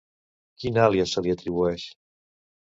Quin àlies se li atribueix?